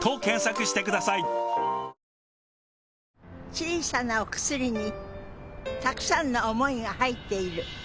小さなお薬にたくさんの想いが入っている。